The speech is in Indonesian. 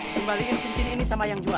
kembaliin cincin ini sama yang jual